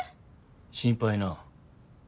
心配なぁ。